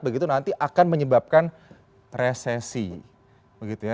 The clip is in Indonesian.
begitu nanti akan menyebabkan resesi